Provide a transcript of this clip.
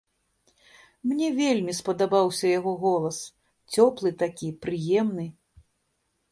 Мне вельмі спадабаўся яго голас, цёплы такі, прыемны.